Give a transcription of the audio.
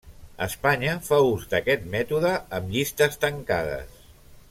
Espanya fa ús d'aquest mètode amb llistes tancades.